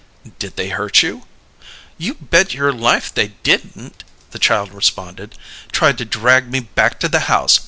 "Did they hurt you?" "You bet your life they didn't!" the child responded. "Tried to drag me back to the house!